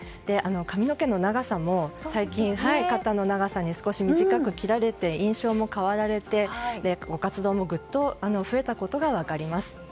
髪の毛の長さも最近、肩の長さに少し短く切って印象も変わられてご活動もぐっと増えたことが分かります。